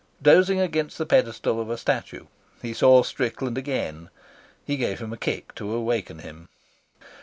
Dozing against the pedestal of a statue, he saw Strickland again. He gave him a kick to awaken him.